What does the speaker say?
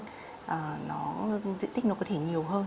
diện tích nó có thể nhiều hơn